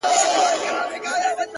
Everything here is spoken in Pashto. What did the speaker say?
o دى خو بېله تانه كيسې نه كوي؛